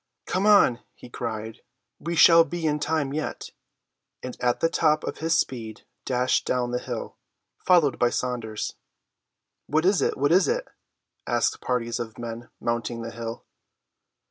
"Come on," he cried; "we shall be in time yet," and at the top of his speed dashed down the hill, followed by Saunders. "What is it, what is it?" asked parties of men mounting the hill.